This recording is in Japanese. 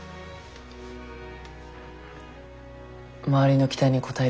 周りの期待に応えるってさ